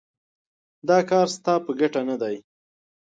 دا کار ستا په ګټه نه دی.